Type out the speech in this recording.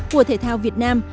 của thể thao việt nam